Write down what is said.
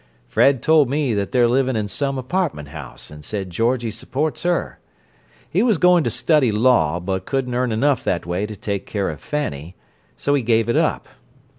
Fred told me that they're living in some apartment house, and said Georgie supports her. He was going to study law, but couldn't earn enough that way to take care of Fanny, so he gave it up.